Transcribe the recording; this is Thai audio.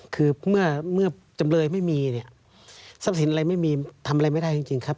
คือเมื่อจำเลยไม่มีเนี่ยทรัพย์สินอะไรไม่มีทำอะไรไม่ได้จริงครับ